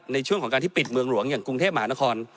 ในช่วงของการที่ปิดเมืองหลวงอย่างกรุงเทพหมานคร